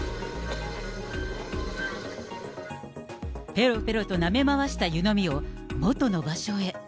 ぺろぺろとなめ回した湯飲みを元の場所へ。